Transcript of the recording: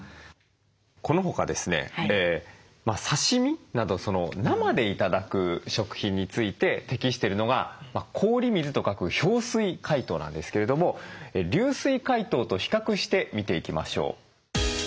この他ですね刺身など生で頂く食品について適してるのが「氷水」と書く氷水解凍なんですけれども流水解凍と比較して見ていきましょう。